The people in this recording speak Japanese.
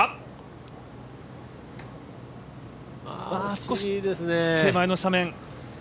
少し手前の斜面。